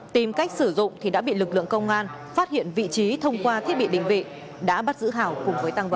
tìm cách sử dụng thì đã bị lực lượng công an phát hiện vị trí thông qua thiết bị định vị đã bắt giữ hảo cùng với tăng vật